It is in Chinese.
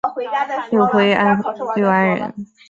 安徽六安人。